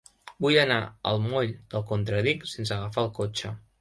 Vull anar al moll del Contradic sense agafar el cotxe.